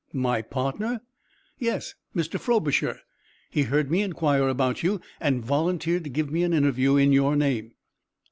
"My partner?" "Yes. Mr. Frobisher. He heard me inquire about you and volunteered to give me an interview in your name."